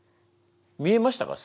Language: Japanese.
見えましたか？